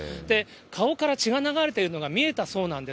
顔から血が流れてるのが見えたそうなんです。